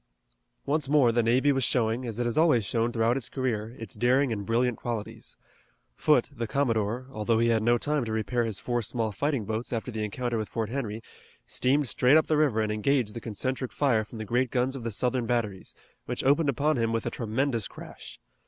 Once more the navy was showing, as it has always shown throughout its career, its daring and brilliant qualities. Foote, the commodore, although he had had no time to repair his four small fighting boats after the encounter with Fort Henry, steamed straight up the river and engaged the concentric fire from the great guns of the Southern batteries, which opened upon him with a tremendous crash.